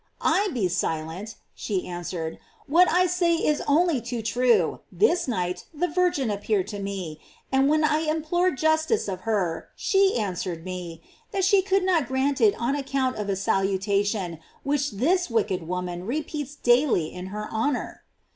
"I be silent!" she answered: "what I say is only too true; this night the Virgin appeared to me; and when I implored justice of her, she answered me, that she could not grant it on account of a salutation which this wicked woman repeats daily in her honor."